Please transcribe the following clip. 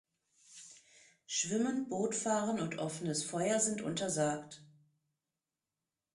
Schwimmen, Bootfahren und offenes Feuer sind untersagt.